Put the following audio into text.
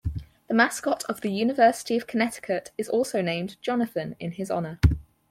The mascot of The University of Connecticut is also named "Jonathan" in his honor.